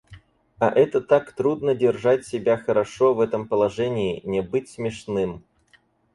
А это так трудно держать себя хорошо в этом положении — не быть смешным.